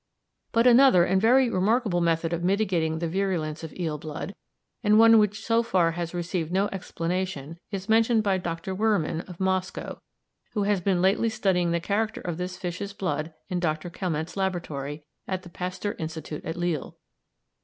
But another and very remarkable method of mitigating the virulence of eel blood, and one which so far has received no explanation, is mentioned by Dr. Wehrmann, of Moscow, who has been lately studying the character of this fish's blood in Dr. Calmette's laboratory at the Pasteur Institute at Lille.